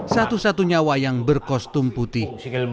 satu satunya wayang berkostum putih